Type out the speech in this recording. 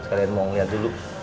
sekalian mau liat dulu